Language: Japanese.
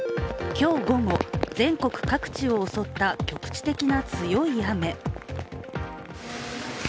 今日午後、全国各地を襲った局地的な強い雨。